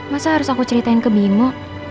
masa harus aku ceritain ke bimo